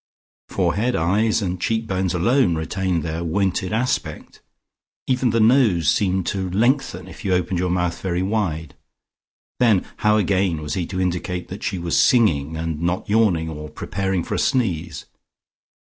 Forehead, eyes and cheek bones alone retained their wonted aspect; even the nose seemed to lengthen if you opened your mouth very wide.... Then how again was he to indicate that she was singing and not yawning, or preparing for a sneeze?